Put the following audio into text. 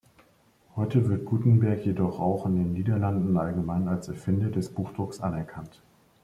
Heute wird Gutenberg jedoch auch in den Niederlanden allgemein als Erfinder des Buchdrucks anerkannt.